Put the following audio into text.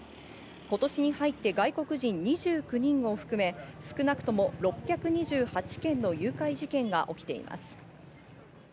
今年に入って外国人２９人を含め、少なくとも６２８件の誘拐事件が起きています。